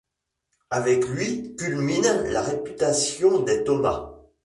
Avec lui culmine la réputation des Thomas.